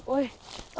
ui to thế